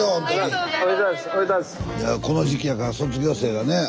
いやあこの時期やから卒業生がね。